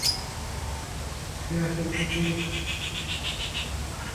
আজ খালিদ ইতিহাসের গতি পরিবর্তন করে দেয়।